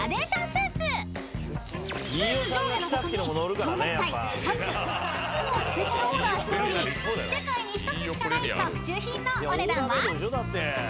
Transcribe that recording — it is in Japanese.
［スーツ上下の他にちょうネクタイシャツ靴もスペシャルオーダーしており世界に一つしかない特注品のお値段は？］